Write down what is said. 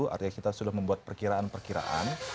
artinya kita sudah membuat perkiraan perkiraan